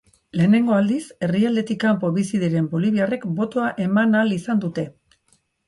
Lehenengo aldiz herrialdetik kanpo bizi diren boliviarrek botoa eman ahal izan dute.